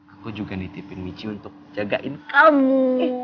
aku juga ditipin mici untuk jagain kamu